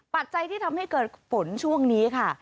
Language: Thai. ปัจจัยที่ทำให้เกิดฝนช่วงนี้ค่ะ